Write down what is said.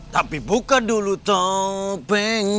tapi buka dulu topengnya